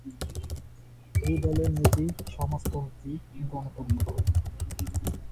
এই দলের নীতি সমাজতন্ত্রী-গণতন্ত্র।